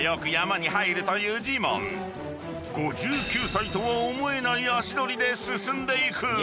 ［５９歳とは思えない足取りで進んでいく］